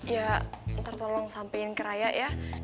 ya ntar tolong sampaiin ke raya ya